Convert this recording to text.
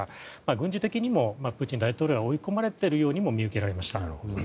軍事的にもプーチン大統領は追い込まれているようにも見受けられました。